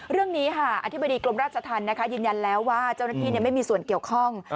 เรื่องนี้ค่ะอธิบดีกรมราชธรรมยืนยันแล้วว่าเจ้าหน้าที่ไม่มีส่วนเกี่ยวข้อง